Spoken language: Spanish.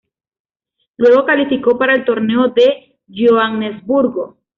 Luego calificó para el Torneo de Johannesburgo.